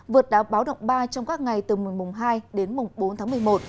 vượt đá báo động ba trong các ngày từ mùng hai đến mùng bốn tháng một mươi một